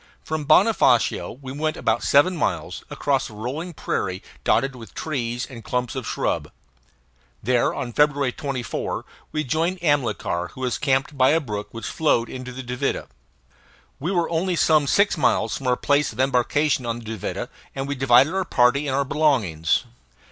From Bonofacio we went about seven miles, across a rolling prairie dotted with trees and clumps of shrub. There, on February 24, we joined Amilcar, who was camped by a brook which flowed into the Duvida. We were only some six miles from our place of embarkation on the Duvida, and we divided our party and our belongings.